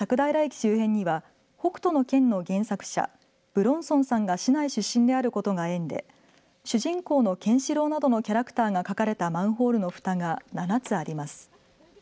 周辺には北斗の拳の原作者武論尊さんが市内出身であることが縁で主人公のケンシロウなどのキャラクターが描かれたマンホールのふたが７つあります。